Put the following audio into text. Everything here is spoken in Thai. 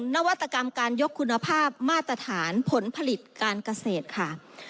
นวัตกรรมการยกคุณภาพมาตรฐานผลผลิตการเกษตรค่ะ